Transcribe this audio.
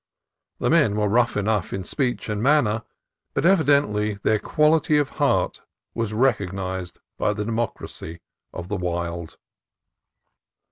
The men were rough enough in speech and manner, but evidently their quality of heart was recognized by the democracy of the wild.